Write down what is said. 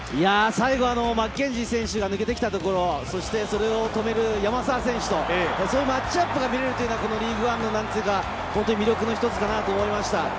最後、マッケンジー選手が抜けて来たところ、それを止める山沢選手とマッチアップが見れるのはリーグワンの魅力の一つだなと思いました。